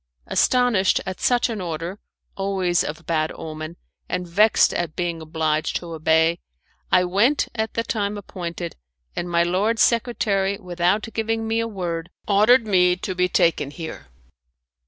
Astonished at such an order always of bad omen, and vexed at being obliged to obey, I went at the time appointed, and my lord secretary, without giving me a word, ordered me to be taken here."